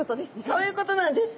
そういうことなんです。